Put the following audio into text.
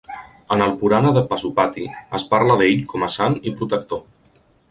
En el purana de Pasupati, es parla d'ell com a sant i protector.